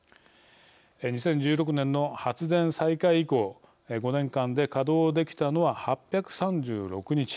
２０１６年の発電再開以降５年間で稼働できたのは８３６日